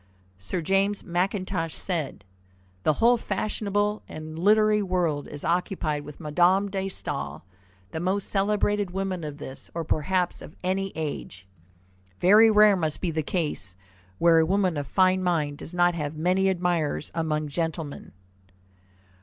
Sir James Mackintosh said: "The whole fashionable and literary world is occupied with Madame de Staël, the most celebrated woman of this, or perhaps of any age." Very rare must be the case where a woman of fine mind does not have many admirers among gentlemen.